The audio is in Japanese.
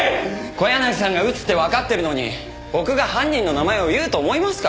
小柳さんが撃つってわかってるのに僕が犯人の名前を言うと思いますか？